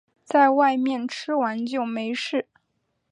在外面吃完就没事